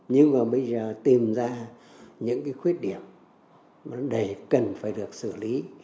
nhưng mà bây giờ tìm ra những khuyết điểm vấn đề cần phải được xử lý